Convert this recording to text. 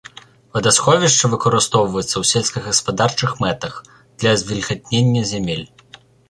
Вадасховішча выкарыстоўваецца ў сельскагаспадарчых мэтах для звільгатнення зямель.